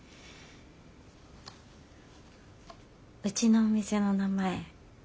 うちのお店の名前